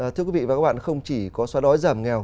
thưa quý vị và các bạn không chỉ có xóa đói giảm nghèo